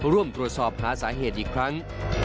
ร่วมตรวจสอบหาสาเหตุอีกครั้ง